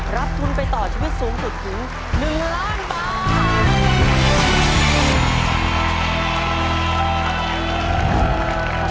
รับทุนไปต่อชีวิตสูงสุดถึง๑ล้านบาท